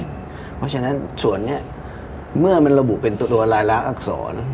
เพราะฉะนั้นส่วนเนี้ยเมื่อมันระบุเป็นตัวตัวลายลักษณ์อักษร